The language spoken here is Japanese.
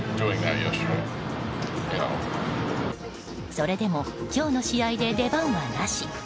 それでも今日の試合で出番はなし。